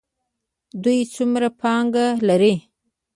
دوی څومره پانګه لري؟